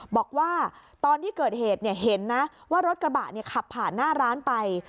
บอกว่าตอนที่เกิดเหตุเห็นนะว่ารถกระบะขับผ่านหน้าร้านไป